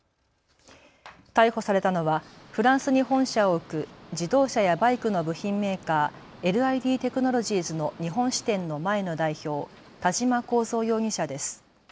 逮捕されたのはフランスに本社を置く自動車やバイクの部品メーカー、ＬＩＤテクノロジーズの日本支店の前の代表、田嶋幸三容疑者です。